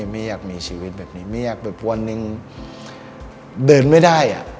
ไม่อยากมีชีวิตแบบนี้ไม่อยากไปพวนนิ่งเดินไม่ได้